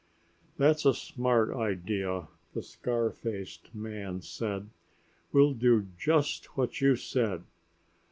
"That's a smart idea," the scar faced man said. "We'll do just what you said.